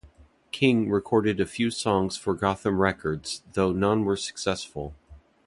King recorded a few songs for Gotham Records though none were successful.